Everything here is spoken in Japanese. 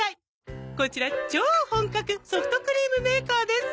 こちら超本格ソフトクリームメーカーです！